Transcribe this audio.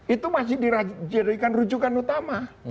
itu masih dijadikan rujukan utama